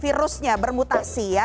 virusnya bermutasi ya